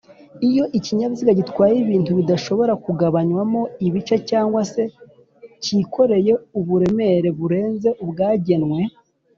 iyo ikinyabiziga gitwaye ibintu bidashobora kugabanywamo ibice cg se kikoreye uburemere barenze ubwagenwe